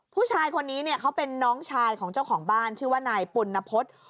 ผู้ชายคนนี้เนี่ยเขาเป็นน้องชายของเจ้าของบ้านชื่อว่านายปุณพฤษ